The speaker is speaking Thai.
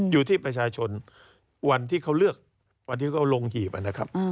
อยู่ที่ประชาชนวันที่เขาเลือกวันที่เขาลงหีบนะครับ